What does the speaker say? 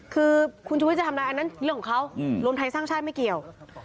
คือคุณชุวิตจะทำอะไรอันนั้นเรื่องของเขารวมไทยสร้างชาติไม่เกี่ยว